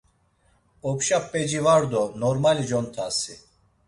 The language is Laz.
Opşa p̌eci var do normali contasi.